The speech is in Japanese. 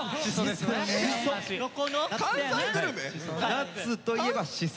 夏といえばしそ。